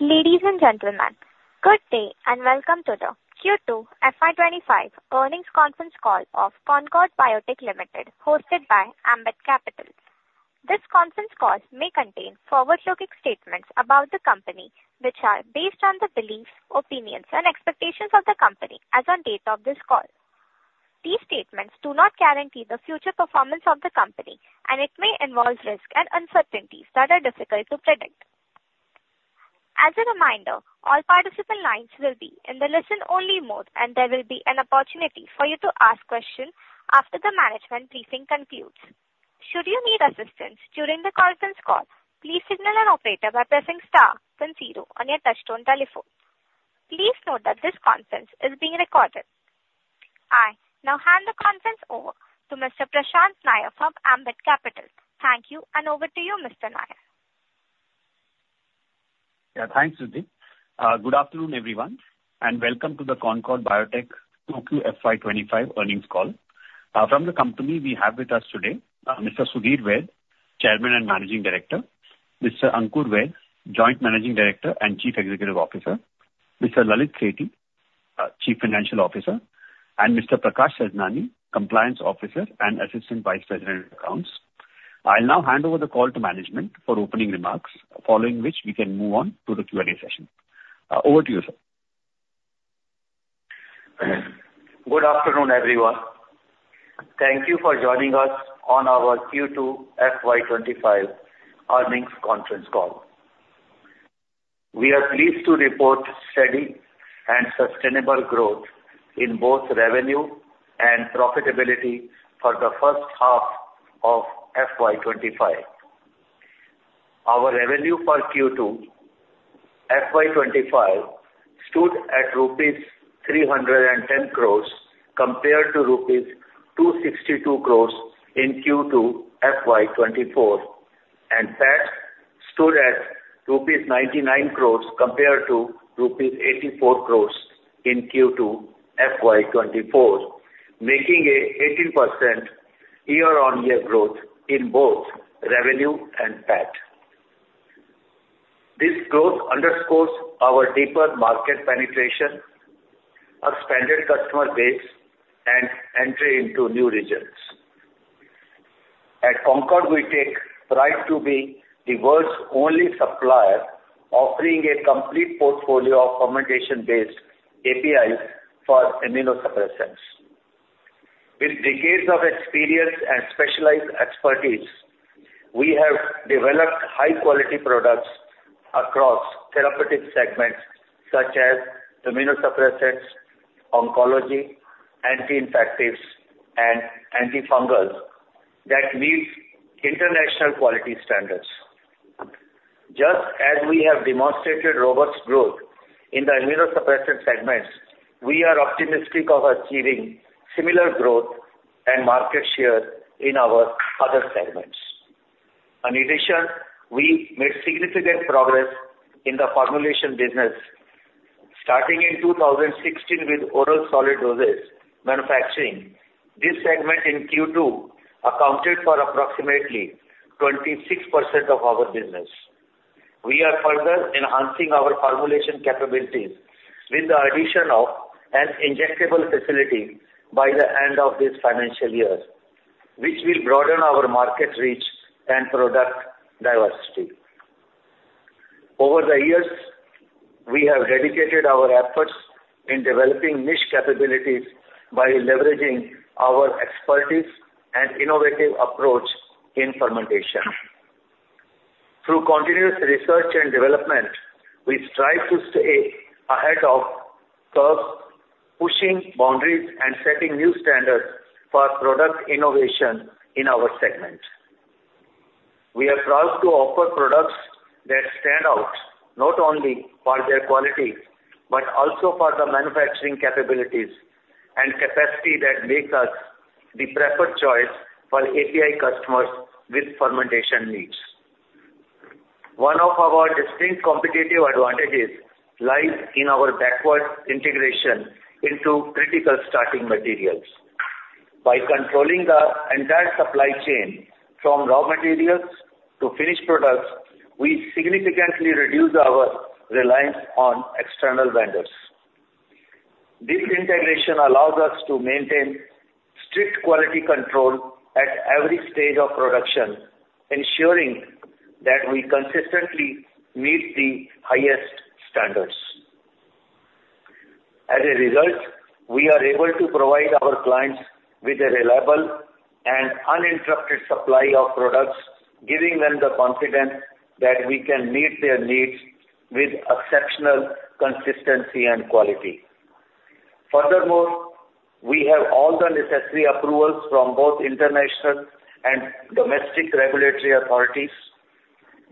Ladies and gentlemen, good day and welcome to the Q2 FY25 Earnings Conference Call of Concorde Biotech Limited hosted by Ambit Capital. This conference call may contain forward-looking statements about the company which are based on the beliefs, opinions and expectations of the company as on date of this call. These statements do not guarantee the future performance of the company and it may involve risk and uncertainties that are difficult to predict. As a reminder, all participant lines will be in the listen-only mode and there will be an opportunity for you to ask question after the management briefing concludes. Should you need assistance during the conference call, please signal an operator by pressing Star then zero on your touch-tone telephone. Please note that this conference is being recorded. I now hand the conference over to Mr. Prashant Nair from Ambit Capital. Thank you. Over to you, Mr. Nair. Yeah, thanks. Good afternoon everyone and welcome to the Concorde Biotech 2Q FY25 Earnings Call from the company. We have with us today Mr. Sudhir Vaid, Chairman and Managing Director, Mr. Ankur Vaid, Joint Managing Director and Chief Executive Officer, Mr. Lalit Sethi, Chief Financial Officer and Mr. Prakash Sajnani, Compliance Officer and Assistant Vice President. I'll now hand over the call to management for opening remarks following which we can move on to the Q&A session. Over to you, sir. Good afternoon everyone. Thank you for joining us on our. Q2 FY25 Earnings Conference Call. We are pleased to report steady and sustainable growth in both revenue and profitability. For the first half of FY25, our revenue for Q2 FY25 stood at rupees 310 crores compared to rupees 262 crores in Q2 FY24 and EBITDA stood at 99 crores rupees compared to rupees 84 crores in Q2FY24, making a 18% year on year growth in both revenue and PAT. This growth underscores our deeper market penetration, expanded customer base and entry into new regions. At Concorde, we take pride to be. The world's only supplier offering a complete portfolio of fermentation-based APIs for immunosuppressants. With decades of experience and specialized expertise, we have developed high-quality products across therapeutic segments such as immunosuppressants, oncology, anti-infectives, and antifungals that meet international quality standards. Just as we have demonstrated robust growth in the immunosuppressant segments, we are optimistic of achieving similar growth and market share in our other segments. In addition, we made significant progress in the formulation business starting in 2016 with oral solid dosage manufacturing. This segment in Q2 accounted for approximately 26% of our business. We are further enhancing our formulation capabilities with the addition of an injectable facility by the end of this financial year, which will broaden our market reach and product diversity. Over the years, we have dedicated our efforts in developing niche capabilities by leveraging our expertise and innovative approach in fermentation. Through continuous research and development, we strive to stay ahead of curves, pushing boundaries and setting new standards for product innovation. In our segment, we are proud to offer products that stand out not only for their quality, but also for the manufacturing capabilities and capacity that makes us the preferred choice for API customers with fermentation needs. One of our distinct competitive advantages lies in our backward integration into critical starting materials. By controlling the entire supply chain, from raw materials to finished products, we significantly reduce our reliance on external vendors. This integration allows us to maintain strict quality control at every stage of production, ensuring that we consistently meet the highest standards. As a result, we are able to provide our clients with a reliable and uninterrupted supply of products, giving them the confidence that we can meet their needs with exceptional consistency and quality. Furthermore, we have all the necessary approvals. From both international and domestic regulatory authorities.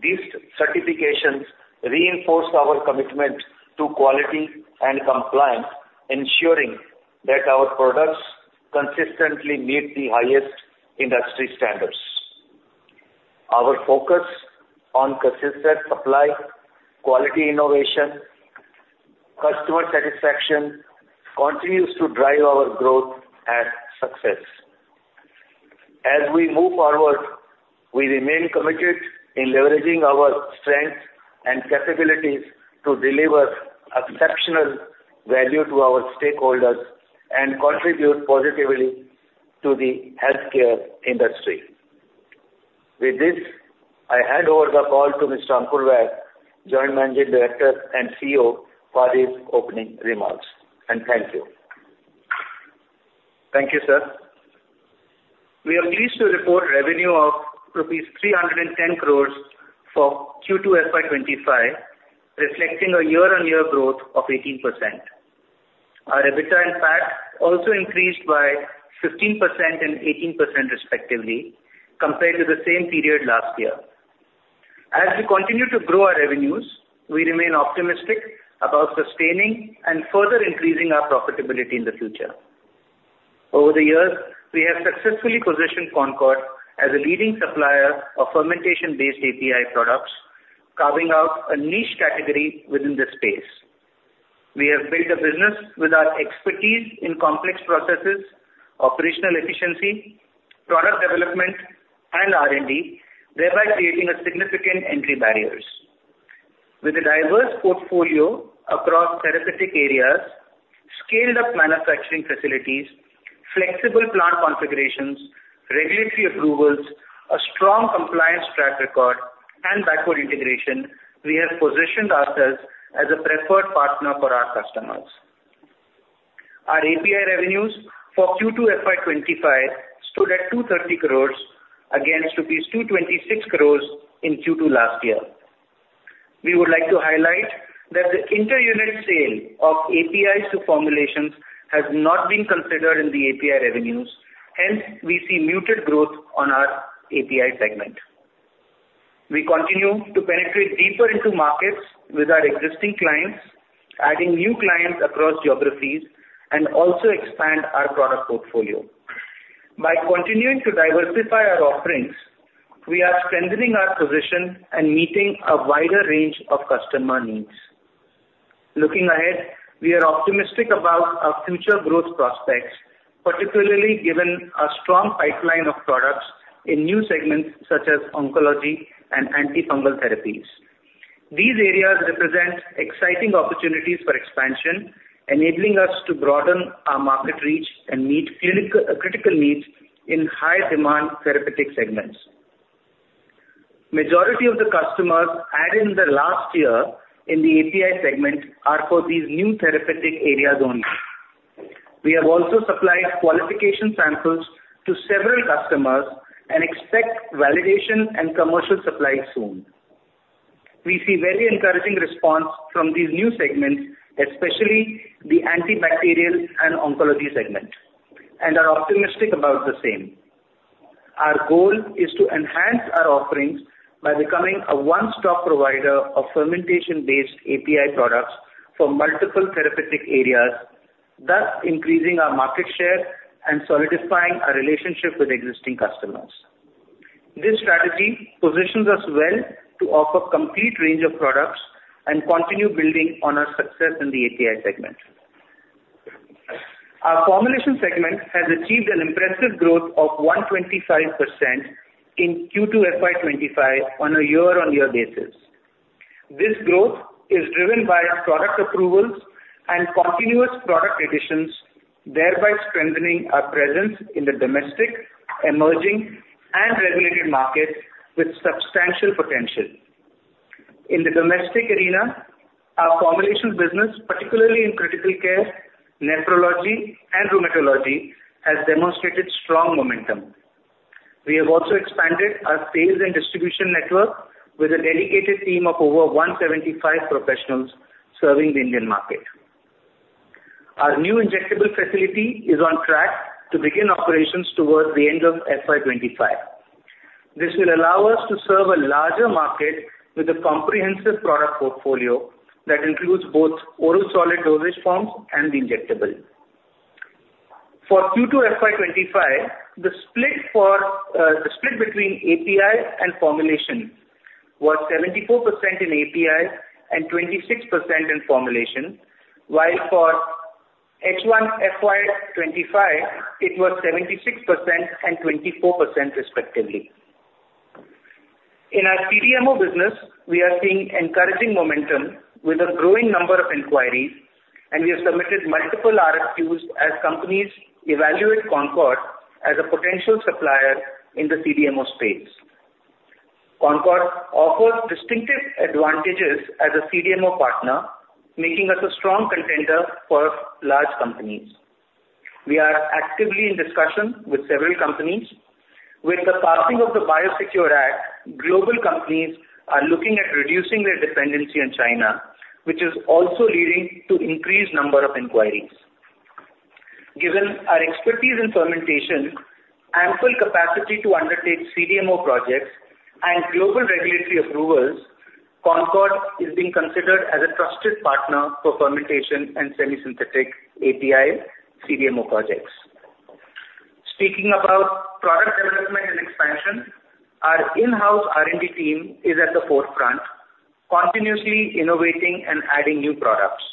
These certifications reinforce our commitment to quality and compliance, ensuring that our products consistently meet the highest industry standards. Our focus on consistent supply, quality, innovation, customer satisfaction continues to drive our growth and success. As we move forward, we remain committed in leveraging our strength and capabilities to deliver exceptional value to our stakeholders and contribute positively to the health care industry. With this, I hand over the call to Mr. Ankur Vaid, Joint Managing Director and CEO for his opening remarks and thank you. Thank you sir. We are pleased to report revenue of 310 crores rupees for Q2FY25, reflecting a year on year growth of 18%. Our EBITDA and PAT also increased by 15% and 18% respectively compared to the same period last year. As we continue to grow our revenues, we remain optimistic about sustaining and further increasing our profitability in the future. Over the years, we have successfully positioned Concorde as a leading supplier of fermentation-based API products. Carving out a niche category within this. So, we have built a business with. Our expertise in complex processes, operational efficiency, product development and R&D, thereby creating a significant entry barriers. With a diverse portfolio across therapeutic areas, scaled up manufacturing facilities, flexible plant configurations, regulatory approvals, a strong compliance track record and backward integration, we have positioned ourselves as a preferred partner for our customers. Our API revenues for Q2FY25 so stood at 230 crores against rupees 226 crores. In Q2 last year. We would like to highlight that the inter-unit sale of APIs to formulations has not been considered in the API revenues. Hence we see muted growth on our API segment. We continue to penetrate deeper into markets with our existing clients, adding new clients across geographies and also expand our product portfolio. By continuing to diversify our offerings, we are strengthening our position and meeting a wider range of customer needs. Looking ahead, we are optimistic about our future growth prospects particularly given a strong pipeline of products in new segments such as oncology and antifungal therapies. These areas represent exciting opportunities for expansion and enabling us to broaden our market reach and meet critical needs in high demand therapeutic segments. Majority of the customers added in the last year in the API segment are for these new therapeutic areas only. We have also supplied qualification samples to several customers and expect validation and commercial supply soon. We see very encouraging response from these new segments, especially the antibacterial and oncology segment and are optimistic about the same. Our goal is to enhance our offerings by becoming a one stop provider of fermentation-based API products for multiple therapeutic areas, thus increasing our market share and solidifying our relationship with existing customers. This strategy positions us well to offer complete range of products and continue building on our success in the API segment. Our formulation segment has achieved an impressive growth of 125% in Q2 FY25 on a year-on-year basis. This growth is driven by product approvals and continuous product additions, thereby strengthening our presence in the domestic emerging and regulated market with substantial potential in the domestic arena. Our formulation business, particularly in critical care, nephrology and rheumatology has demonstrated strong momentum. We have also expanded our sales and distribution network with a dedicated team of over 175 professionals serving the Indian market. Our new injectable facility is on track to begin operations towards the end of FY25. This will allow us to serve a larger market with a comprehensive product portfolio that includes both oral solid dosage forms and the injectable. For Q2FY25 the split between API and formulation was 74% in API and 26% in formulation while for H1 FY25 it was 76% and 24% respectively. In our CDMO business we are seeing encouraging momentum with a growing number of inquiries and we have submitted multiple RFQs as companies evaluate Concorde as a potential supplier in the CDMO space. Concorde offers distinctive advantages as a CDMO partner, making us a strong contender for large companies. We are actively in discussion with several companies. With the passing of the Biosecure Act, global companies are looking at reducing their dependency on China which is also leading to increased number of inquiries. Given our expertise in fermentation, ample capacity to undertake CDMO projects, and global regulatory approvals, Concorde is being considered as a trusted partner for fermentation and semisynthetic API CDMO projects. Speaking about product development and expansion, our in-house R&D team is at the forefront continuously innovating and adding new products.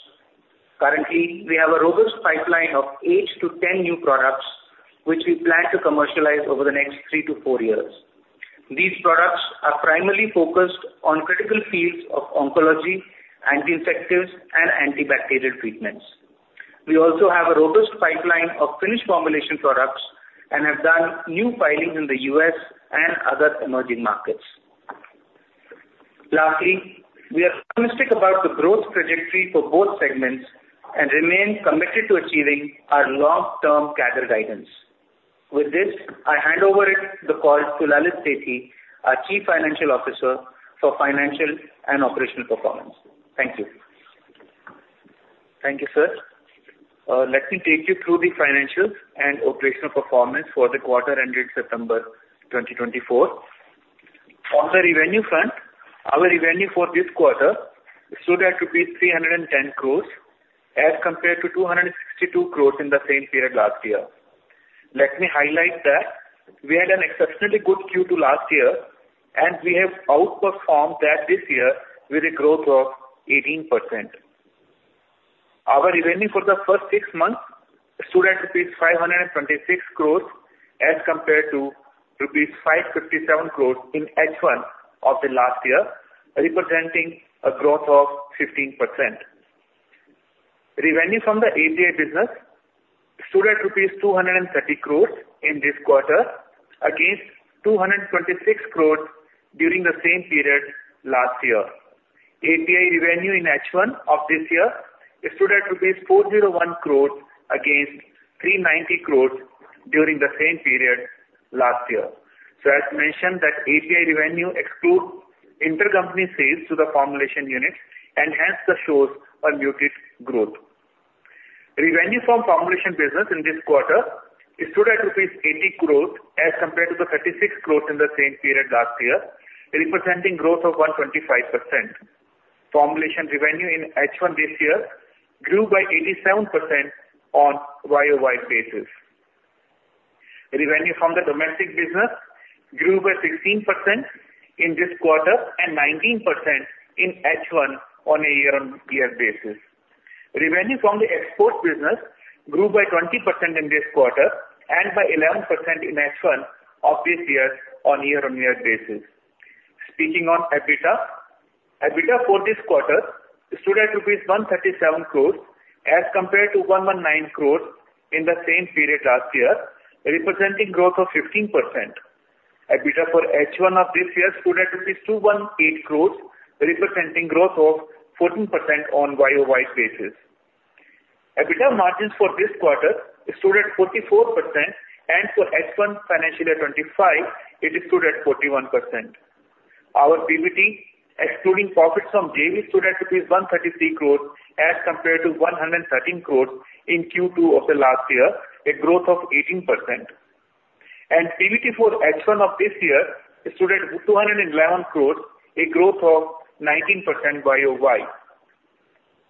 Currently we have a robust pipeline of. 8-10 new products which we. Plan to commercialize over the next three to four years. These products are primarily focused on critical fields of oncology, anti-infectives and antibacterial treatments. We also have a robust pipeline of finished formulation products and have done new filings in the U.S. and other emerging markets. Lastly, we are optimistic about the growth trajectory for both segments and remain committed to achieving our long-term CAGR guidance. With this, I hand over the call to Lalit Sethi, our Chief Financial Officer, for financial and operational performance. Thank you. Thank you sir. Let me take you through the financials. Operational performance for the quarter ended September 2024. On the revenue front, our revenue for. This quarter stood at 310 crores as compared to 262 crores in the same period last year. Let me highlight that we had an. Exceptionally good Q2 last year and we have outperformed that this year with a growth of 18%. Our remaining for the first six months stood at Rs. 526 crores as compared to rupees 557 crores in H1 of the last year, representing a growth of 15%. Revenue from the API business stood at rupees 230 crores in this quarter against 226 crores during the same period last year. API revenue in H1 of this year stood at rupees 401 crore against 390 crores during the same period. So as mentioned, that API revenue excludes intercompany sales to the formulation units and hence it shows a muted growth. Revenue from formulation business in this quarter stood at rupees 80 crores as compared to the 36 crores in the same period last year, representing growth of 125%. Formulation revenue in H1 this year grew by 87% on YoY basis. Revenue from the domestic business grew by 16% in this quarter and 19% in H1 on a year-on-year basis. Revenue from the export business grew by 20% in this quarter and by 11% in H1 of this year year-on-year. On year-on-year basis. Speaking on EBITDA, EBITDA for this quarter stood at rupees 137 crores as compared to 119 crores in the same period last year representing growth of 15%. EBITDA for H1 of this year stood at rupees 218 crores representing growth of 14%. On YoY basis, EBITDA margins for this quarter stood at 44% and for H1 financial year 25 it stood at 41%. Our PBT excluding profits from JV stood at rupees 133 crores as compared to 113 crores in Q2 of the last year. A growth of 18% and PBT for H1 of this year stood at 211 crores, a growth of 19%. YoY.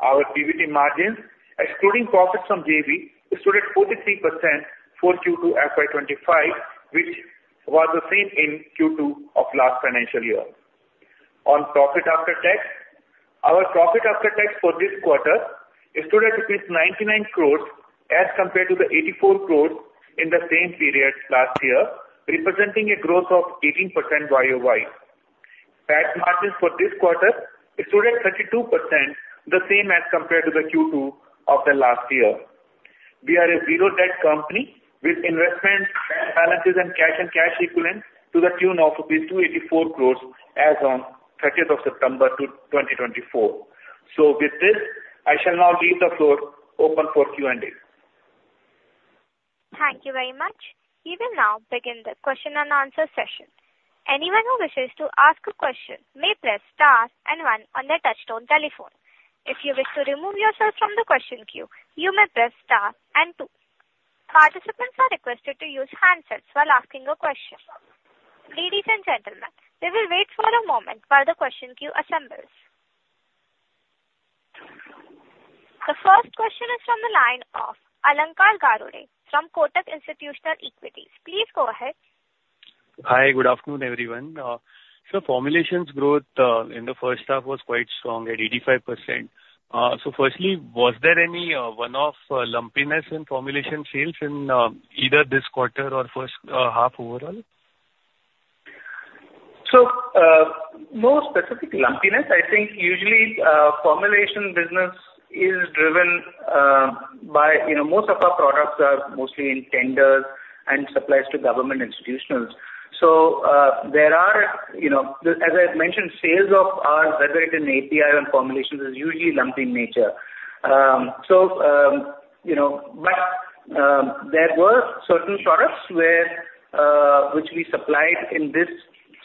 Our PAT margins excluding profits from JV stood at 43% for Q2 FY25, which was the same in Q2 of last financial year. On profit after tax, our profit after tax for this quarter stood at 99 crores as compared to the 84 crores in the same period last year, representing a growth of 18%. YoY PAT margins for this quarter stood at 32%, the same as compared to the Q2 of the last year. We are a zero debt company with investments, bank balances and cash and cash equivalent to the tune of rupees 284 crores as on 30th of September 2024. So with this I shall now leave the floor open for Q&A. Thank you very much. We will now begin the question and answer session. Anyone who wishes to ask a question may press Star and one on the touch tone telephone. If you wish to remove yourself from the question queue, you may press Star and two. Participants are requested to use handsets while asking a question. Ladies and gentlemen, we will wait for a moment while the question queue assembles. The first question is from the line of Alankar Garude from Kotak Institutional Equities. Please go ahead. Hi, good afternoon everyone. So formulations growth in the first half was quite strong at 85%. So firstly was there any one-off lumpiness in formulation sales in either this quarter or first half overall? No specific lumpiness. I think usually formulation business is driven by. You know, most of our products are mostly in tenders and supplies to government institutions. So there are, you know, as I mentioned, sales of our fermentation API formulations is usually lumpy in nature. So you know, but there were certain products which we supplied in this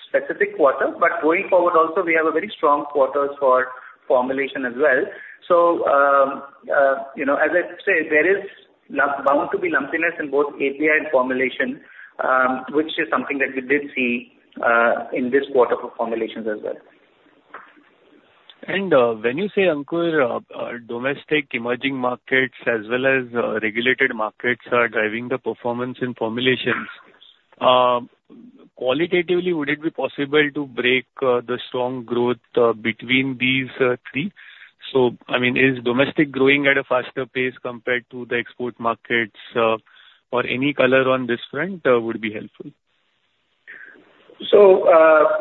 specific quarter. But going forward also we have a very strong quarter for formulation as well. So you know, as I said, there is bound to be lumpiness in both API and formulation, which is something that. We did see in this quarter for formulations as well. When you say, Ankur, domestic emerging markets as well as regulated markets are driving the performance in formulations qualitatively, would it be possible to break the strong growth between these three? I mean, is domestic growing at a faster pace compared to the export markets or any color on this front would be helpful. So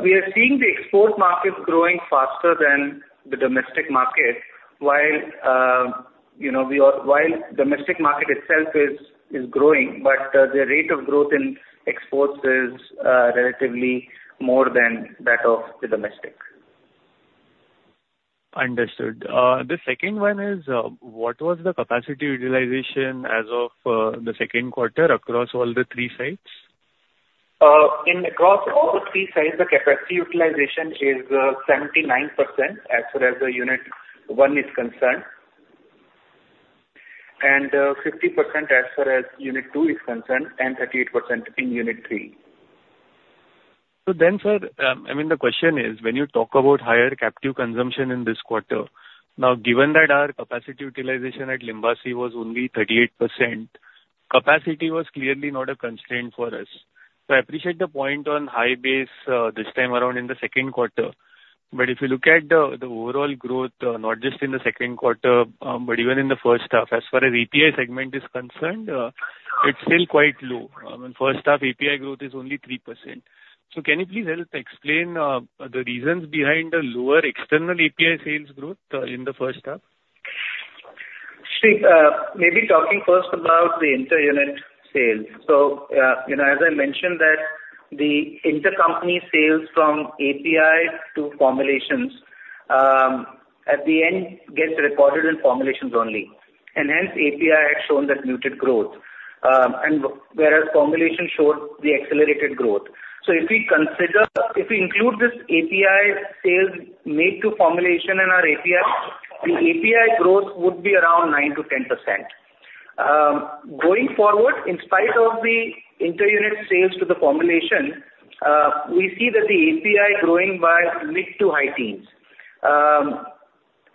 we are seeing the export market growing faster than the domestic market while, you know, while domestic market itself is growing. But the rate of growth in exports is relatively more than that of the domestic. Understood. The second one is what was the capacity utilization as of the second quarter across all the three sites? In across all three sites the capacity. Utilization is 79% as far as the Unit 1 is concerned and 50% as far as Unit 2 is concerned and 38% in Unit 3. So then, sir, I mean the question is when you talk about higher captive consumption in this quarter, now given that our capacity utilization at Limbasi was only 38%, capacity was clearly not a constraint for us. I appreciate the point on high base this time around in the second quarter, but if you look at the overall growth not just in the second quarter but even in the first half, as far as API segment is concerned, it's still quite low. First half API growth is only 3%. So can you please help explain the reasons behind the lower external API sales growth in the first half? Maybe talking first about the inter-unit sales. So as I mentioned that the intercompany sales from API to formulations at the end gets recorded in formulations only. And hence API had shown that muted growth whereas formulation showed the accelerated growth. So if we consider, if we include this API sales made to formulation in our API, the API growth would be around 9%-10% going forward in spite of the inter-unit sales to the formulation, we see that the API growing by mid to high teens.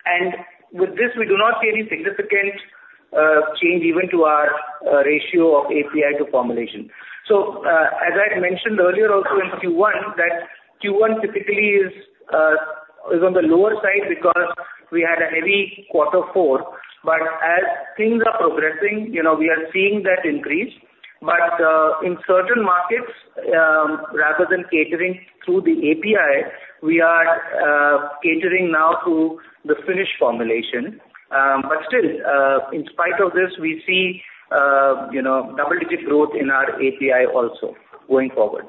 And. With this we do not see any significant change even to our ratio of API to formulation. So as I mentioned earlier also in Q1 that Q1 typically is on the lower side because we had a heavy quarter four. But as things are progressing, we are seeing that increase, but in certain markets, rather than catering through the API, we are catering now to the finished formulation. But still in spite of this, we see, you know, double digit growth in. Our API also going forward.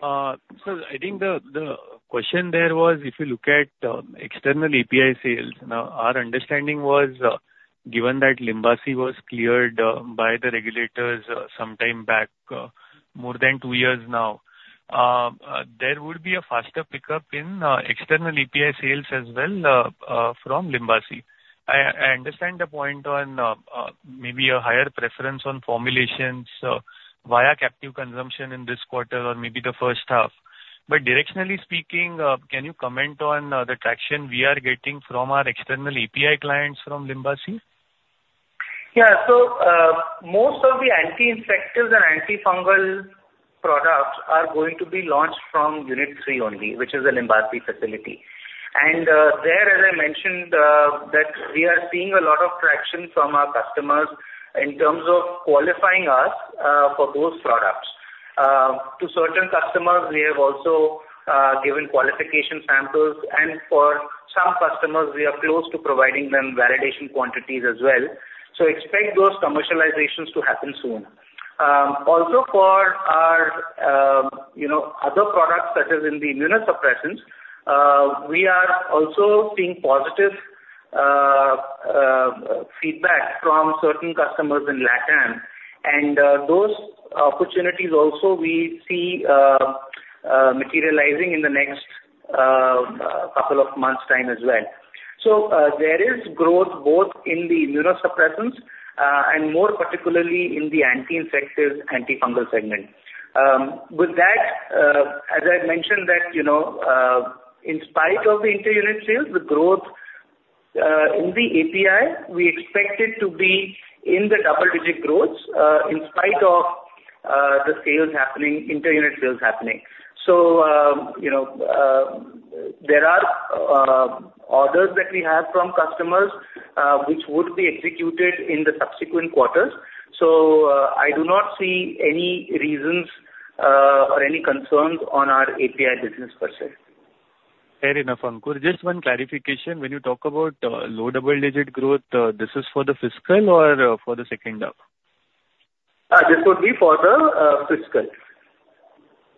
I think the question there was, if you look at external API sales now, our understanding was given that Limbasi was cleared by the regulators sometime back, more than two years now, there would be a faster pickup in external API sales as well from Limbasi. I understand the point on maybe a higher preference on formulations via captive consumption in this quarter or maybe the first half, but directionally speaking, can you comment on the traction we are getting from our external API clients from Limbasi? Yeah. So most of the anti-infectives and antifungal products are going to be launched from unit 3 only, which is a Limbasi facility. And there as I mentioned that we are seeing a lot of traction from our customers in terms of qualifying us for those products to certain customers. We have also given qualification samples and for some customers we are close to providing them validation quantities as well. So expect those commercializations to happen soon. Also for our other products such as in the immunosuppressants, we are also seeing. Positive. Feedback from certain customers in LatAm and those opportunities also we see materializing in the next couple of months' time as well. So there is growth both in the immunosuppressants and more particularly in the anti-infective antifungal segment. With that, as I mentioned, you know, in spite of the inter-unit sales, the growth in the API we expect it to be in the double-digit growth in spite of the sales happening, inter-unit sales happening. So. There are orders that we have from customers which would be executed in the subsequent quarters. So I do not see any reasons or any concerns on our API business per se. Fair enough. Ankur, just one clarification. When you talk about low double digit growth, this is for the fiscal or for the second half.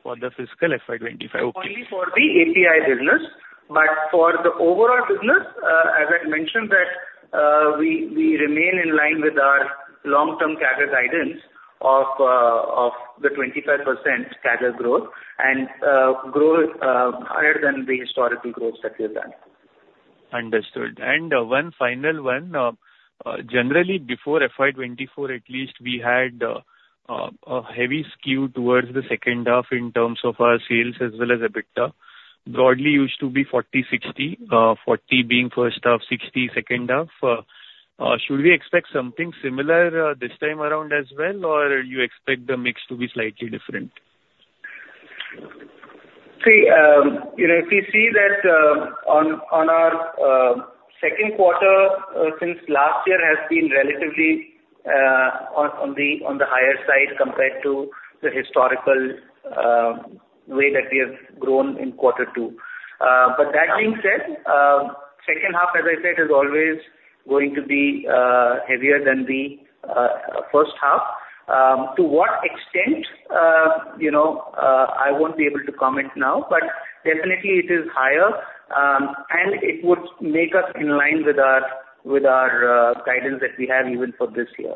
For the fiscal FY25 For the API business. But for the overall business, as I mentioned, that we remain in line with our long-term CAGR guidance of the 25% CAGR growth and grow higher than. The historical growth that we have done. Understood. And one final one. Generally before FY24 at least we had a heavy skew towards the second half in terms of our sales as well as EBITDA broadly used to be 40, 60, 40 being first half, 60 second half. Should we expect something similar this time around as well? Or you expect the mix to be slightly different? See if we see that on our second quarter since last year has been relatively on the higher side compared to the historical way that we have grown in quarter two. But that being said, second half, as I said, is always going to be heavier than the first half. To what extent I won't be able to comment now, but definitely it is higher and it would make us in line with our guidance that we have. Even for this year.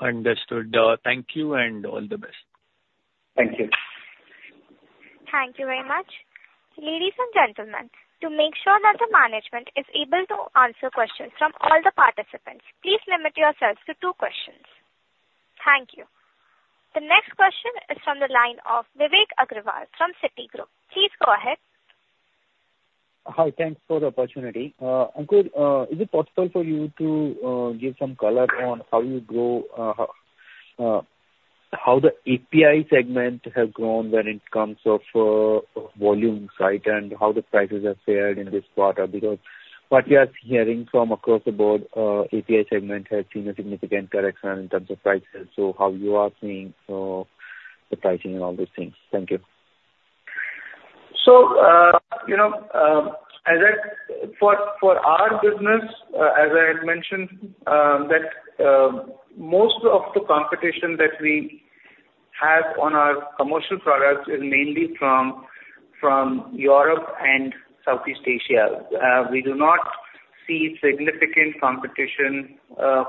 Understood. Thank you and all the best. Thank you. Thank you very much. Ladies and gentlemen, to make sure that the management is able to answer questions from all the participants, please limit yourself to two questions. Thank you. The next question is from the line of Vivek Agarwal from Citigroup. Please go ahead. Hi. Thanks for the opportunity. Ankur, is it possible for you to? Give some color on how you grow, how the API segment have grown when it comes to volumes? Right. And how the prices have fared in this quarter? Because what we are hearing from across the board, API segment has seen a significant correction in terms of prices. So how you are seeing so the pricing and all these things? Thank you. So you know, for our business, as I had mentioned, that most of the competition that we have on our commercial products is mainly from Europe and Southeast Asia. We do not see significant competition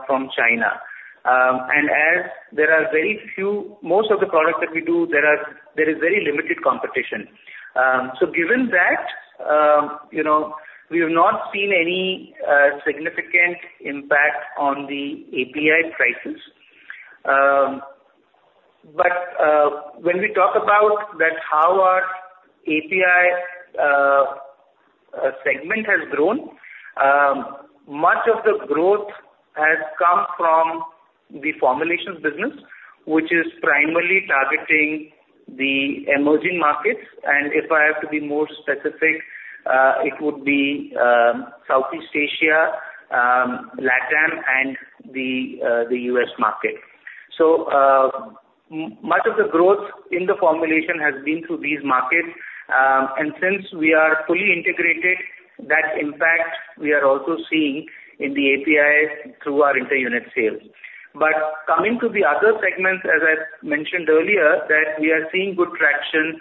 from China. And as there are very few, most of the products that we do, there is very limited competition. So given that we have not seen any significant impact on the API prices. But when we talk about how our API segment has grown, much of the growth has come from the formulations business which is primarily targeting the emerging markets. And if I have to be more specific, it would be Southeast Asia, LatAm and the U.S. market. So much of the growth in the formulation has been through these markets. And since we are fully integrated, that impact we are also seeing in the API through our inter-unit sales. But coming to the other segments, as I mentioned earlier, that we are seeing good traction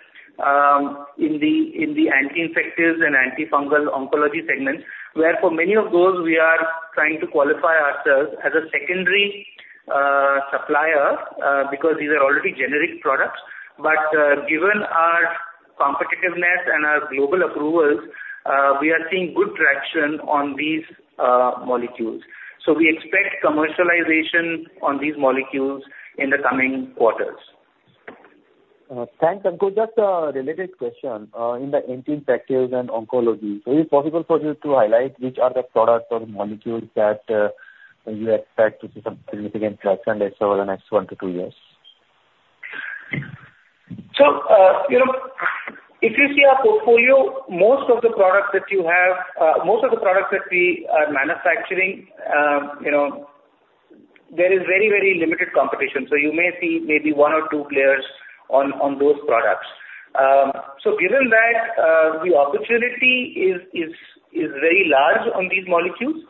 in the anti-infectives and antifungal oncology segments where for many of those we are trying to qualify ourselves as a secondary supplier because these are already generic products. But given our competitiveness and our global approvals, we are seeing good traction on these molecules. So we expect commercialization on these molecules. In the coming quarters. Thanks Ankur. Just a related question. In the immunosuppressants and oncology, so is it possible for you to highlight which are the products or molecules that you expect to see some significant threats on this over the next one to two years? If you see our portfolio, most of the products that we are manufacturing, there is very, very limited competition. You may see maybe one or two players on those products. Given that the opportunity is very large on these molecules,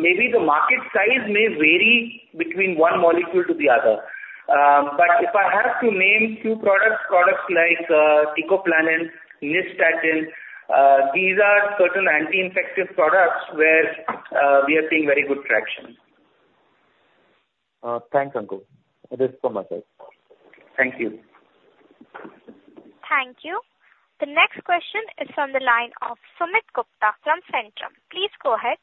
maybe the market size may vary between one molecule to the other. But if I have to name a few products, products like teicoplanin, nystatin, these are certain anti-infective products where we are seeing very good traction. Thanks Ankur. Thank you. Thank you. The next question is from the line of Sumit Gupta from Centrum. Please go ahead.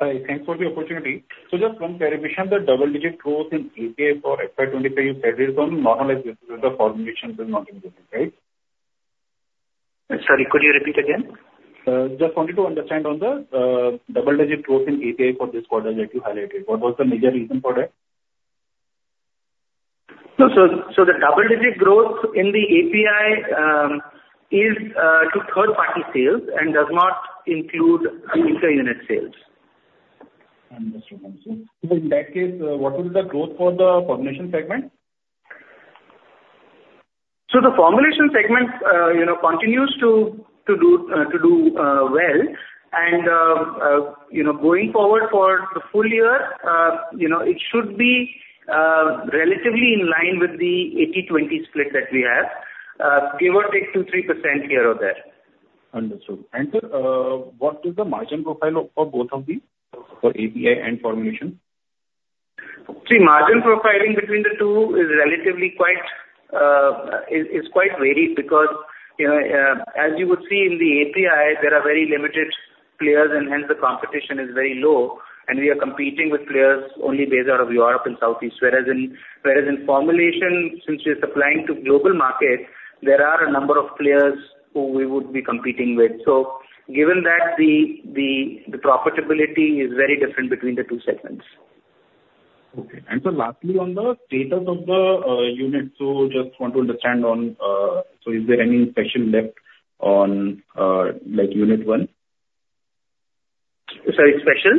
Hi, thanks for the opportunity. So just one clarification. The double-digit growth in API for FY25 you said is only for the API. The formulation will not include. Right? Sorry, could you repeat again? Just wanted to understand on the double-digit growth in API for this quarter that you highlighted, what was the major reason for that? So the double-digit growth in the API is to third-party sales and. Does not include inter-unit sales. In that case, what would be the Growth for the formulation segment? So the formulation segment continues to do well and going forward for the full year it should be relatively in line with the 80-20 split that we have. Give or take 2%-3% here or there. Understood. Sir, what is the margin profile for both of these for API and formulation? See, margin profiling between the two is relatively quite varied because as you would see in the API there are very limited players and hence the competition is very low. We are competing with players only. Based out of Europe and Southeast. Whereas in formulation since we are supplying to global market, there are a number. Of players who we would be competing with. Given that the profitability is very. Difference between the two segments. Okay. And so, lastly, on the status of the unit. So just want to understand on. So is there any inspection left on, like, Unit 1? Sorry, special.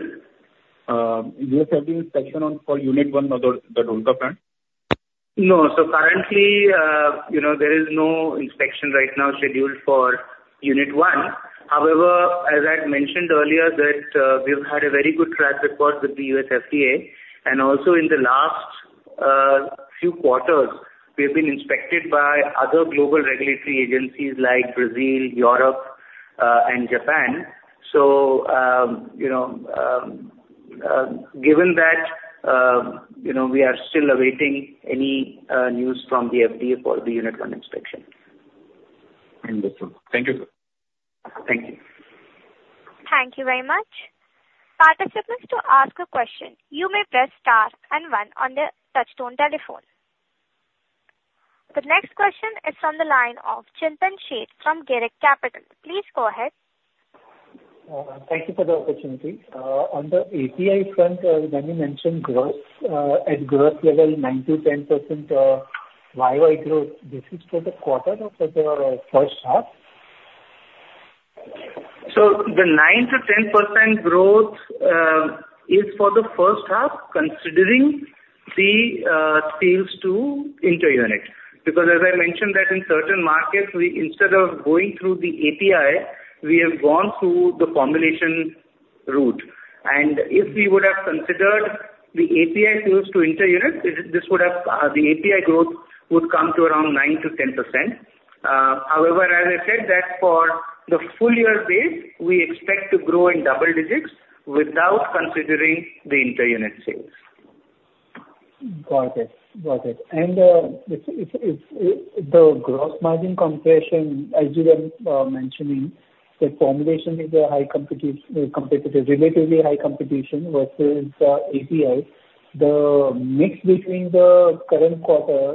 Yes. Have the inspection on for Unit 1. Or the Dholka plant? No. So currently, you know, there is no inspection right now scheduled for Unit 1. However, as I mentioned earlier, that we've had a very good track record with the US FDA. And also in the last few quarters we have been inspected by other global regulatory agencies like Brazil, Europe, and Japan. So you know, given that we are still awaiting any news from the. FDA for the Unit 1 inspection. Thank you sir. Thank you. Thank you very much. Participants, to ask a question, you may press star and one on the Touch-Tone telephone. The next question is from the line of Chintan Sheth from Girik Capital. Please go ahead. Thank you. For the opportunity on the API front when you mentioned at growth level 9%-10% yy growth. This is for the quarter for the first half. So the 9%-10% growth is for the first half considering the sales to inter-unit. Because as I mentioned that in certain markets we instead of going through the API we have gone through the formulation route. And if we would have considered the API sales to inter-unit, this would have the API growth would come to around 9%-10%. However, as I said that for the full year base we expect to grow in double digits without considering the inter-unit sales. Got it. The gross margin compression, as you were mentioning, the formulation is a high competition. Competitive, relatively high competition versus API. The mix between the current quarter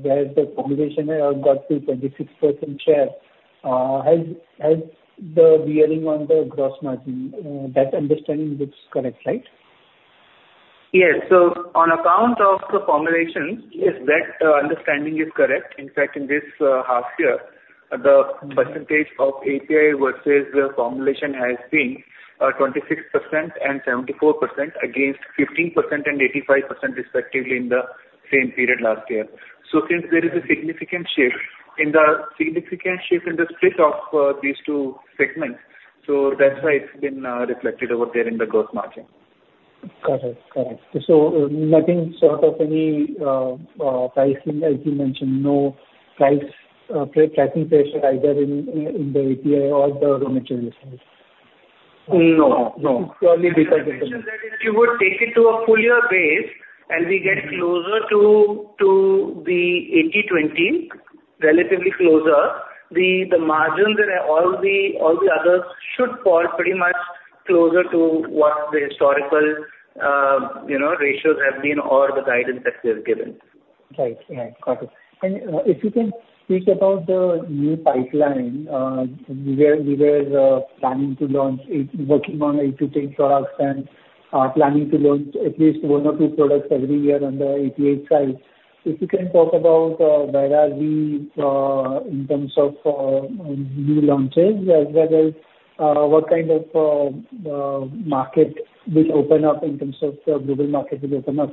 where the formulation got to 26% share has the bearing on the gross margin. That understanding looks correct, right? Yes. So on account of the formulations. Yes, that understanding is correct. In fact, in this half year the percentage of API versus the formulation has been 26% and 74% against 15% and 85% respectively in the same period last year. So since there is a significant shift. In the significant shift in the split of these two segments. So that's why it's been reflected over. There in the gross margin. So, nothing short of any pricing as you mentioned, no price tracking pressure either in the API or the raw material. No, no. If you would take it to a full-year basis and we get closer to the 80-20, relatively closer. The margins are already. All the others should fall pretty much closer to what the historical ratios have been or the guidance that we have given. Right, right, got it. And if you can speak about the new pipeline we were planning to launch, working on eight products and planning to launch at least one or two products every year. On the API side, if you can talk about that, where are we in terms of new launches as well as what kind of market will open up in terms of global market will open up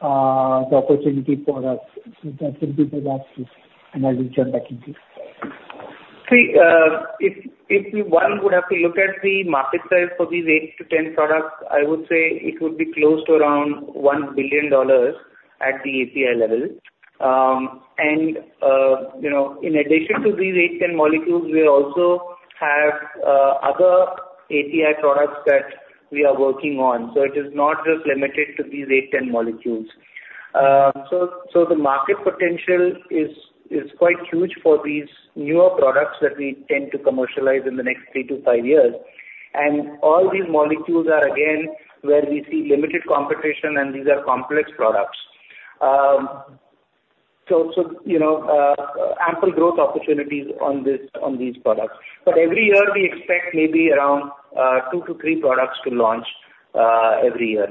the opportunity for us. That would be the last question and I will jump back in, please. If one would have to look at the market size for these eight to 10 products, I would say it would be close to around $1 billion at the API level. And in addition to these eight, 10 molecules, we also have other API products that we are working on. So it is not just limited to these eight to 10 molecules. So the market potential is quite huge for these newer products that we tend. To commercialize in the next three to five years. And all these molecules are again where we see limited competition. And these are complex products. So ample growth opportunities on these products. But every year we expect maybe around. Two to three products to launch every year.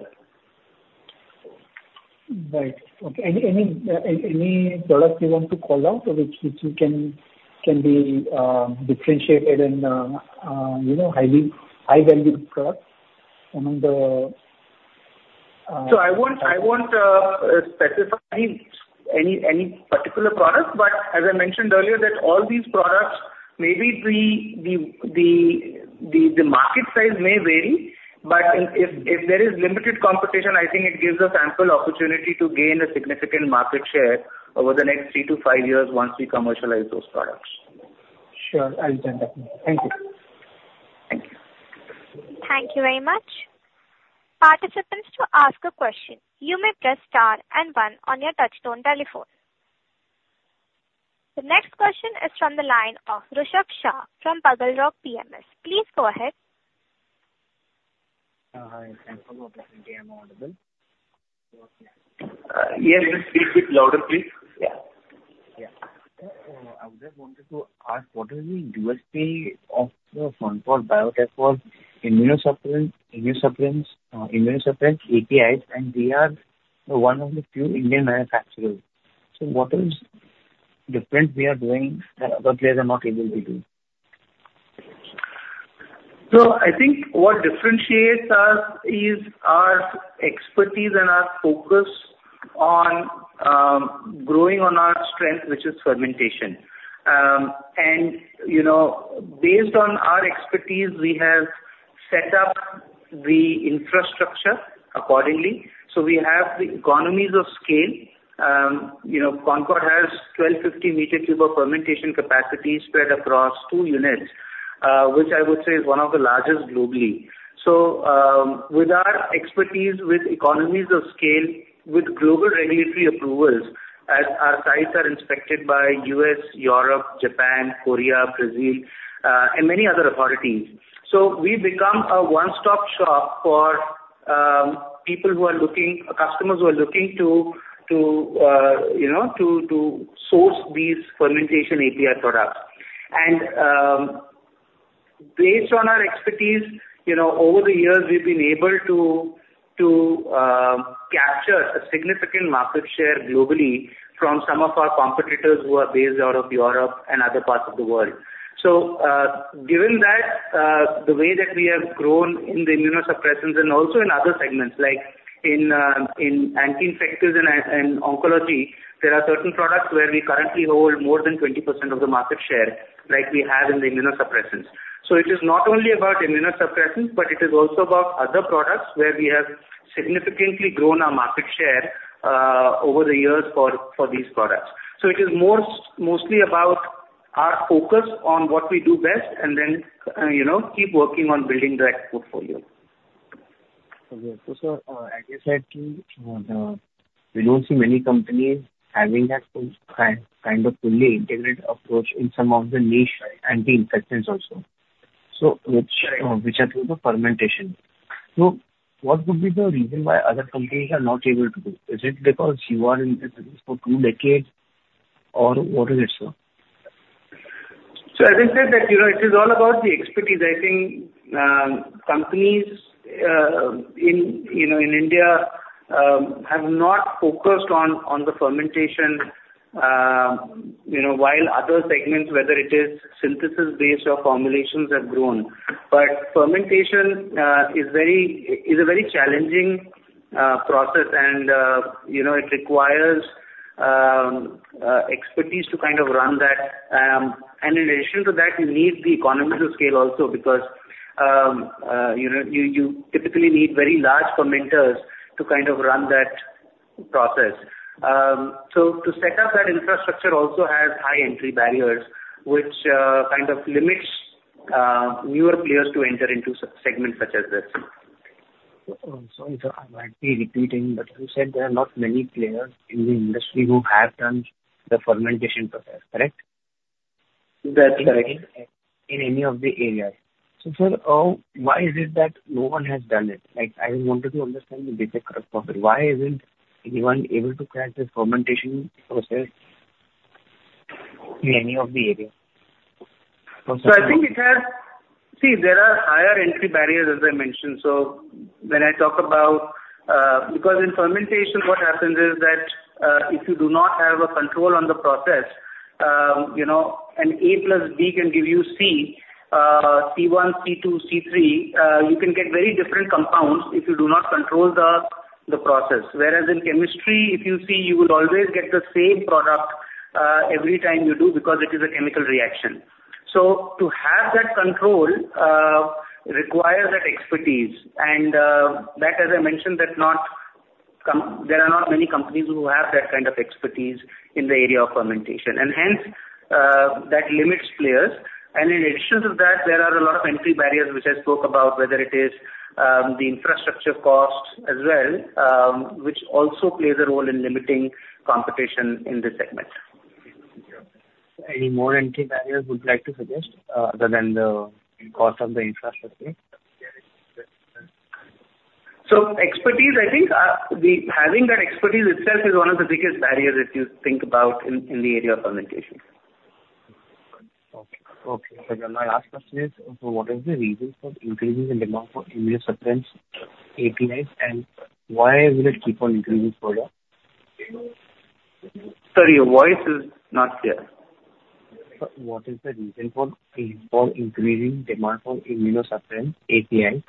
Right. Any product you want to call out of it which you can be differentiated in high value products. I won't specify any particular product, but as I mentioned earlier, all these products maybe the market size may vary, but if there is limited competition, I think it gives an ample opportunity to gain significant market share over the. Next three-to-five years once we commercialize those products. Sure, I'll tell. Thank you. Thank you very much, participants. To ask a question, you may press star and one on your touch-tone telephone. The next question is from the line of Rishabh Shah from Bugle Rock PMS. Please go ahead. What is the USP of the Concord Biotech for immunosuppressants APIs? We are one of the few Indian manufacturers. What is different? We are doing what the larger market will be doing. So I think what differentiates us is our expertise and our focus on growing on our strength which is fermentation. And you know, based on our expertise we have set up the infrastructure accordingly. So we have the economies of scale. You know Concorde has 1,250 meter cube of fermentation capacity spread across two units which I would say is one of the largest globally. So with our expertise with economies of scale, with global regulatory approvals as our sites are inspected by U.S, Europe, Japan, Korea, Brazil and many other authorities, so we become a one-stop shop for people who are looking, customers who are looking to source these fermentation API products. And. Based on our expertise over the years we've been able to capture a significant market share globally from some of our competitors who are based out of Europe and other parts of the world. So given that the way that we have grown in the immunosuppressants and also in other segments like in anti-infectives and oncology, there are certain products where we currently hold more than 20% of the market share like we have in the immunosuppressants. So it is not only about immunosuppressants but it is also about other products where we have significantly grown our market share over the years for these products. So it is mostly about our own focus on what we do best and then you know, keep working on building that portfolio. We don't see many companies having that kind of fully integrated approach in some of the niche anti-infectives also. So which are through the fermentation. So what would be the reason why other companies are not able to do? Is it because you waited for two decades or what is it, sir? So, as I said that, you know, it is all about the expertise. I think companies in, you know, in India have not focused on the fermentation, you know, while other segments, whether it is synthesis based or formulations, have grown. But fermentation is a very challenging, challenging process and it requires expertise to kind of run that. And in addition to that you need the economies of scale also because. You. Typically need very large fermenters to kind of run that process. So to set up that infrastructure also has high entry barriers which kind of. Limits newer players to enter into segments such as this. I might be repeating, but you said there are not many players in the industry who have done the fermentation process, correct? That's correct. In any of the areas. So, sir, why is it that no one has done it? Like, I wanted to understand the basics of it. Why isn't anyone able to crack this fermentation process in any of the areas? So I think it has. See, there are higher entry barriers as I mentioned. So when I talk about. Because in fermentation what happens is that if you do not have a control on the process, you know, an A plus B can give you C1, C2, C3, you can get very different compounds if you do not control the process. Whereas in chemistry, if you see you will always get the same product every time you do because it is a chemical reaction. So to have that control requires that expertise. And that as I mentioned, there are not many companies who have that kind of expertise in the area of fermentation. And hence that limits players. And in addition to that there are a lot of entry barriers which has so much about whether it is the infrastructure cost as well, which also plays. A role in limiting competition in this segment. Any more entry barriers would like to suggest other than the cost of the infrastructure? Expertise, I think having that expertise itself is one of the biggest barriers. If you think about in the area of communication. Okay, my last question is what is the reason for increases in demand for immunosuppressant APIs and why will it keep on increasing further. Sorry, your voice is not there. What is the reason for increasing demand for immunosuppressant APIs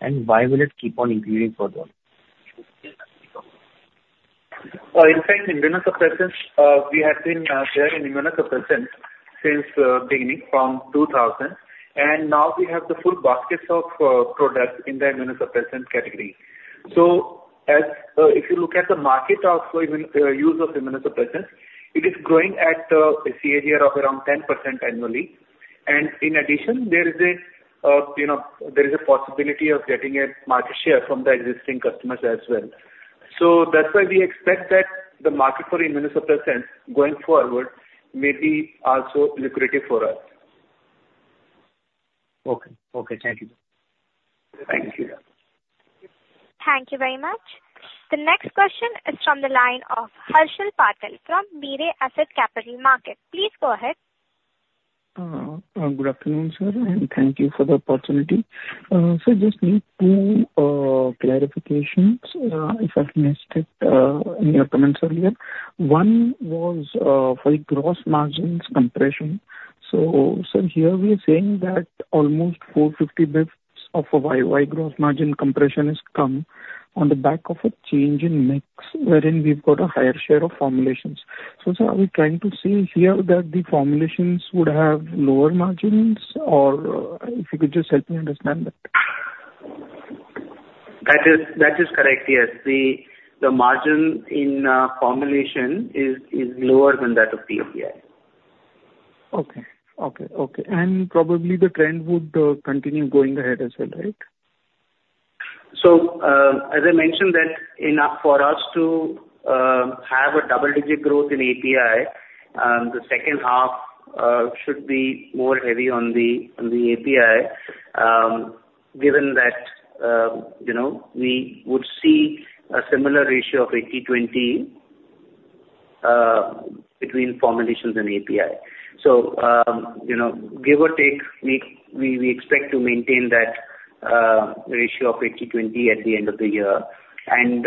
and why will it keep on increasing? In fact, immunosuppressants. We have been there in immunosuppressants since beginning from 2000 and now we have the full baskets of products in the immunosuppressant category. So if you look at the market. The use of immunosuppressants, it is growing. At a CAGR of around 10% annually. And in addition there is a, you know, there is a possibility of getting a market share from the existing customers as well. That's why we expect that the. Market for immunosuppressants going forward may be also lucrative for us. Okay, okay, thank you. Thank you. Thank you very much. The next question is from the line of Harshal Patel from B&K Securities. Please go ahead. Good afternoon, sir, and thank you for the opportunity. So just two clarifications if I've missed it in your comments earlier. One was for gross margins compression. So sir, here we are saying that almost 450 bps of YoY gross margin compression has come on the back of a change in mix wherein we've got a higher share of formulations. So are we trying to see here that the formulations would have lower margin or if you could just help me. Understand that. That is correct. Yes, the margin in formulation is. Lower than that of API. Okay, okay, okay. And probably the trend would continue going ahead as well. Right. So, as I mentioned, that enough for us to have a double-digit growth in API, the second half should be more heavy on the API given that. You know, we would see a similar. Ratio of 80:20. Between formulations and API. So you know, give or take, we. Expect to maintain that ratio of 80:20. At the end of the year and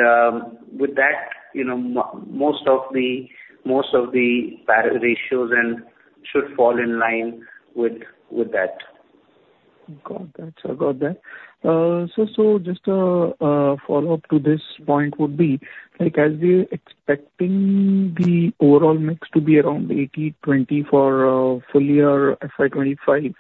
with that, you know, most of the. Most of the ratios and should fall in line with that. So, just a follow-up to this point would be like as we expecting the overall mix to be around 80-20 for full year FY25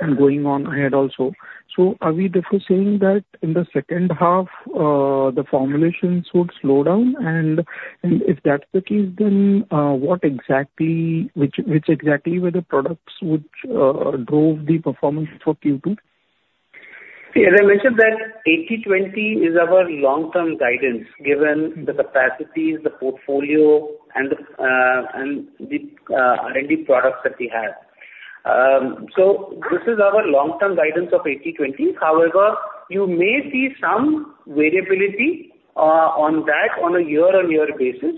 and going on ahead also. So are we therefore saying that in the second half the formulations would slow down and if that's the case, then what exactly were the products which drove the performance for Q2? As I mentioned, 80:20 is our long-term guidance given the capacities, the portfolio, and the R&D products that we have, so this is our long-term guidance of 80:20. However, you may see some variability on that on a year-on-year basis,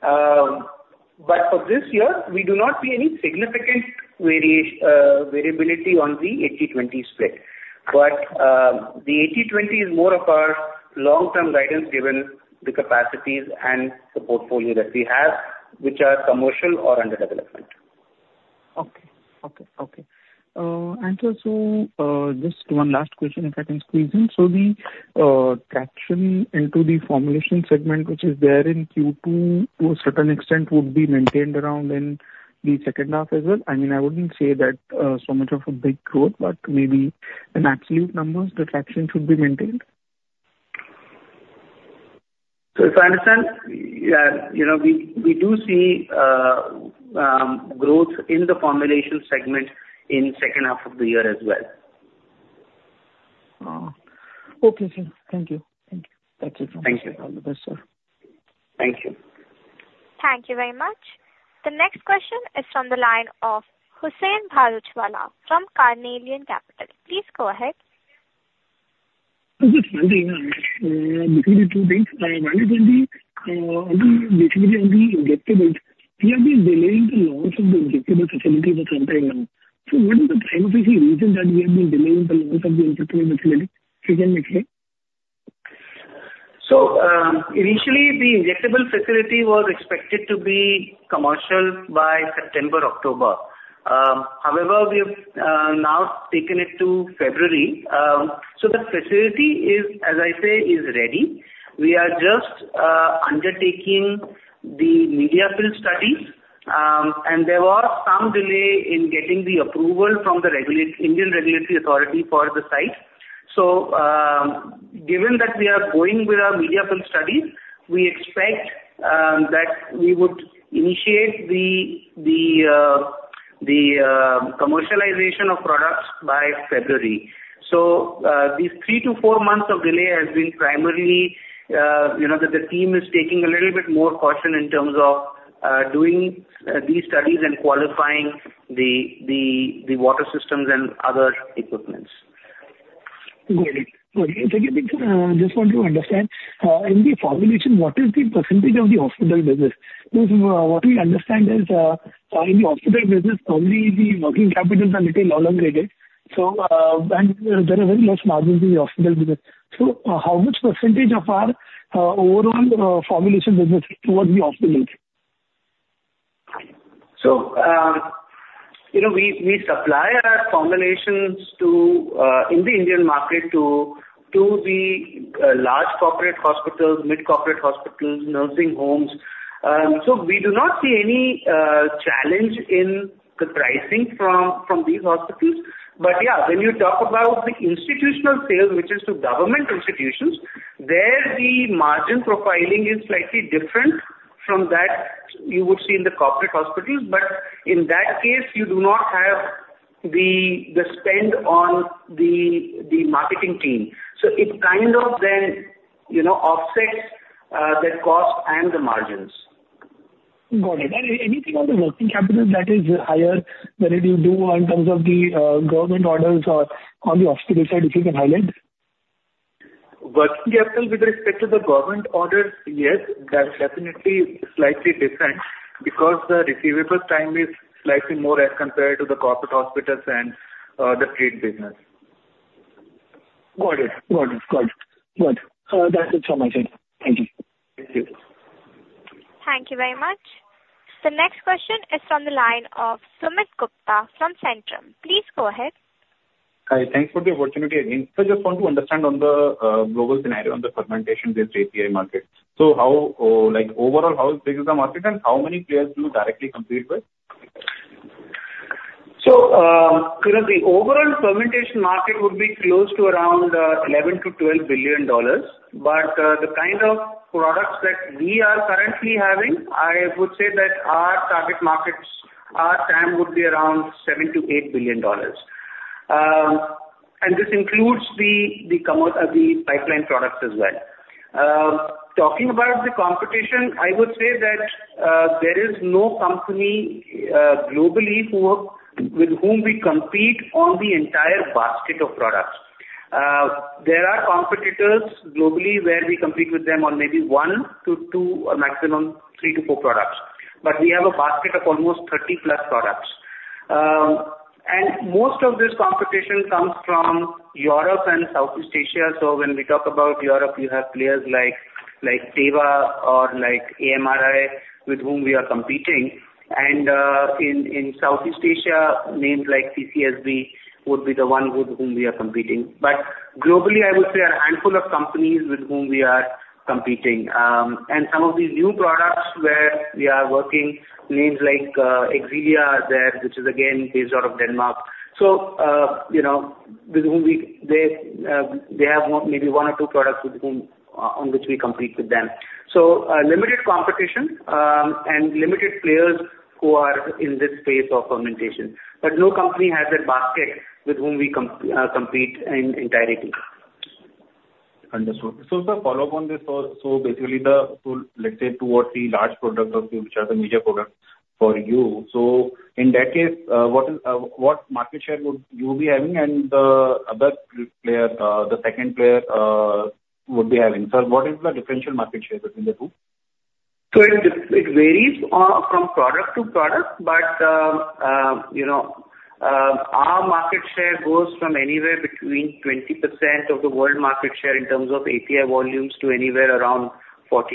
but for this year we do not see any significant variability on the 80:20 split, but the 80:20 is more of our long-term guidance given the capacities and. The portfolio that we have which are commercial or under development. And so just one last question if I can squeeze in. So the traction into the formulation segment which is there in Q2 to a certain extent would be maintained around in. The second half as well? I mean, I wouldn't say that so much of a big growth, but maybe in absolute numbers the traction should be maintained. So if I understand, you know, we do see growth in the formulation segment in second half of the year as well. Okay, sir, thank you. Thank you. That's it. Thank you. Thank you. Thank you very much. The next question is from the line of Hussain Bharuchwala from Carnelian Capital. Please go ahead. Just one thing between the two things on the injectables. We have been delaying the launch of the injectables facility for some time now. What is the timeline or any reason that we have been delaying the. Launch of the next slide? So initially the injectable facility was expected to be commercial by end of September, October. However we have now taken it to February. So the facility is as I say, is ready. We are just undertaking the media fill studies and there was some delay in getting the approval from the Indian regulatory authority for the site. So given that we are going with our media fill studies, we expect that we would initiate the commercialization of products by February. So these three to four months of delay has been primarily, you know, that the team is taking a little bit more caution in terms of doing these studies and qualifying the water systems and other equipment. I just want to understand in the formulation what is the percentage of the our hospital business? What we understand is in the hospital. Business, probably the working capitals are little. There are very less margins in the hospital business. So, how much percentage of our overall? Formulation business towards the hospital? So you know, we supply our formulations to the Indian market to the large corporate hospitals, mid corporate hospitals, nursing homes. So we do not see any challenge in the pricing from these hospitals. But yeah, when you talk about the institutional sales which is to government institutions, there the margin profiling is slightly different from that you would see in the corporate hospitals. But in that case you do not have the spend on the marketing team. So it kind of then, you know, offsets the cost and the margins. Got it. Anything on the working capital that is higher than if you do in terms? Of the government orders or on the. the slide, if you can highlight working. Capital with respect to the government orders. Yes, that definitely slightly different because the receivable time is slightly more as compared to the corporate hospitals and the fleet business. Got it, got it, got it. Good. That's it for myself. Thank you. Thank you very much. The next question is from the line of Sumit Gupta from Centrum. Please go ahead. Hi. Thanks for the opportunity again. I just want to understand on the global scenario, on the fermentation this API market. So how like overall, how big is the market and how many players do you directly compete with? So, you know, the overall fermentation market would be close to around $11-$12 billion. But the kind of products that we are currently having, I would say that our target markets would be around 7. To $8 billion. This includes the pipeline products as well. Talking about the competition, I would say that there is no company globally with whom we compete on the entire basket of products. There are competitors globally where we compete with them on maybe one to two. Maximum three to four products. But we have a basket of almost 30 products. And most of this competition comes from Europe and Southeast Asia. So when we talk about Europe, you have players like Teva or like AMRI with whom we are competing. And in Southeast Asia, names like CCSB would be the one with whom we are competing. But globally, I would say a handful of companies with whom we are competing and some of these new products where we are working, names like Xellia, which is again based out of Denmark, so you know, they have maybe one or. Two products on which we compete with them. So limited competition and limited players who. Are in this space of fermentation, but. No company has that basket with whom we compete in entirety. Understood. So the follow up on this. So basically the, let's say two or three large products, which are the major products for you. So in that case, what is, what market share would you be having and the other player, the second player would be having, sir, what is the differential market share between the two? So it varies from product to product. But you know, our market share goes from anywhere between 20% of the world market share in terms of API volumes to anywhere around 40%-45%.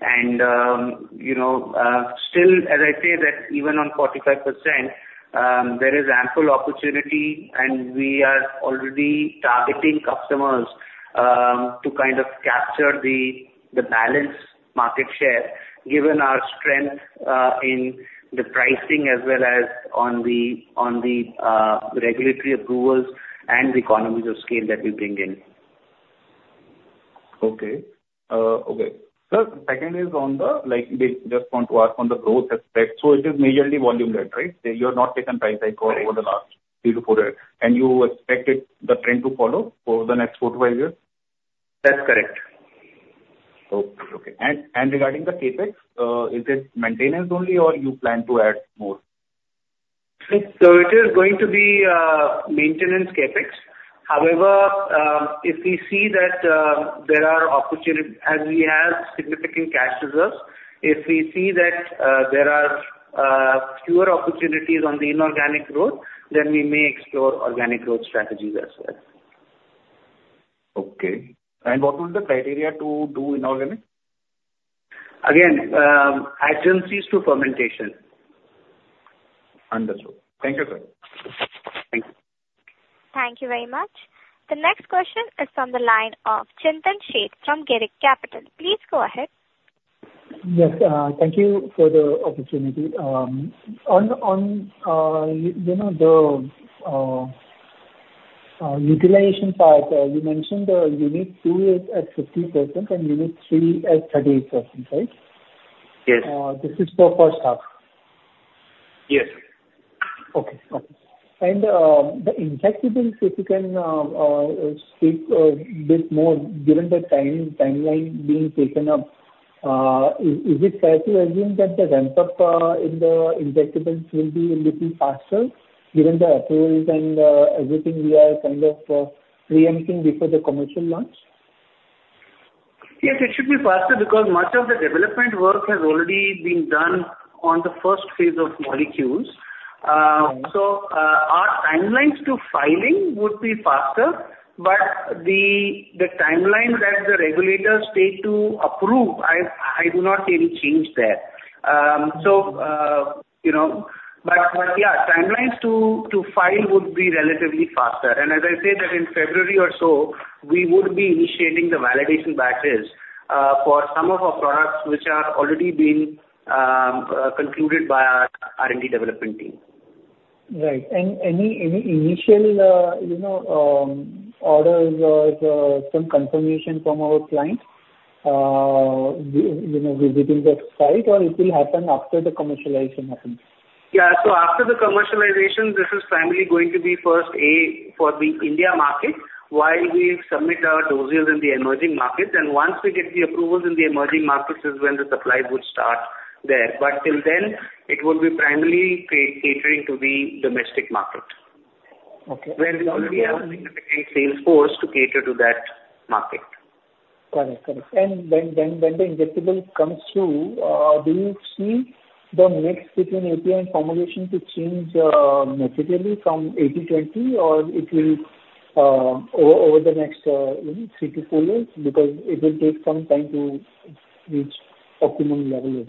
And still as I say that even on 45% there is ample opportunity and we are already targeting customers to kind. To capture the balance market share given. Our strength in the pricing as well as on the regulatory approvals. And the economies of scale that we bring in. Okay, okay. The second is on the like. Just want to ask on the growth aspect. So it is majorly volume led, right? You have not taken price hike over the last three to four years. And you expected the trend to follow for the next four to five years? That's correct. Regarding the CapEx, is it maintenance only or you plan to add more? So it is going to be maintenance CapEx. However, if we see that there are opportunities, as we have significant cash reserves, if we see that there are fewer opportunities on the inorganic growth, then we. We may explore organic growth strategies as well. Okay, and what will the criteria to do inorganic again, acquisitions to fermentation? Understood. Thank you, sir. Thank you very much. The next question is from the line of Chintan Sheth from Girik Capital. Please go ahead. Yes, thank you for the opportunity. On, you know the utilization part you mentioned Unit 2 is at 50% and Unit 3 at 38%, right? Yes. This is for first half. Yes. Okay. And the impact, if you can speak a bit more. Given the time timeline being taken up, is it fair to assume that the ramp up in the injectables will be a little faster given the approvals and everything we are kind of preempting before the commercial launch? Yes, it should be faster because much of the development work has already been done on the first phase of molecules. So our timelines to filing would be faster. But the timeline that the regulators take to approve, I do not see any change there. So, you know. But yeah, timelines to file would be relatively faster. And as I said that in February or so we would be initiating the validation batches for some of our products which are already being concluded by our R&D development team. Right. Any initial orders or some confirmation from our client within the site, or it will happen after the commercialization happens. Yeah. So after the commercialization, this is primarily going to be first API for the India market while we submit our dossiers in the emerging market. And once we get the approvals in the emerging markets is when the supply would start there. But till then it will be primarily catering to the domestic market. Okay. When we already have a significant sales force to cater to that market. And then when the injectable comes through, do you see the mix between API and formulation to change materially from 80:20 or it will over the next three-to-four years because it will take some time to reach optimum level?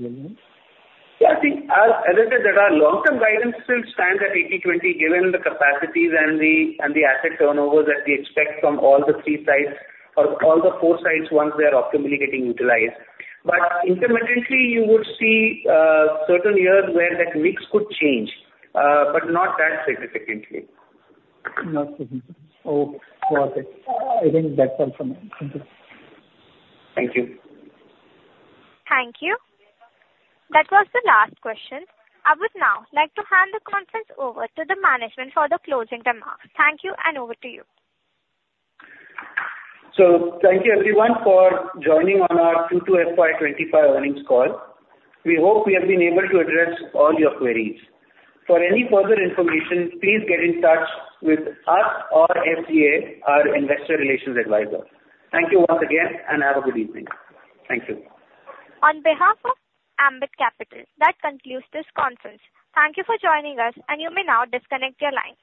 I think as I said, that our long term guidance still stands at 80:20. Given the capacities and the asset turnover that we expect from all the three sites or all the four sites once they are optimally getting utilized, but intermittently, you would see certain years where that mix could change, but not that significant. I think that's all for now. Thank you. Thank you. That was the last question. I would now like to hand the conference over to the management for the closing remarks. Thank you. And over to you. Thank you everyone for joining on our Q2 FY25 earnings call. We hope we have been able to address all your queries. For any further information, please get in touch with us or SGA, our investor relations advisor. Thank you once again and have a good evening. Thank you. On behalf of Ambit Capital. That concludes this conference. Thank you for joining us. And you may now disconnect your lines.